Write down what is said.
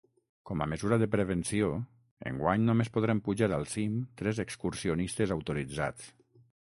Com a mesura de prevenció, enguany només podran pujar al cim tres excursionistes autoritzats.